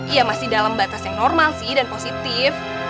iya masih dalam batas yang normal sih dan positif